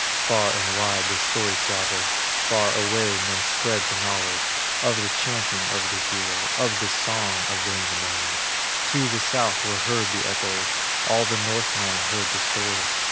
Far and wide the story travelled, Far away men spread the knowledge Of the chanting of the hero, Of the song of Wainamoinen; To the South were heard the echoes, All of Northland heard the story.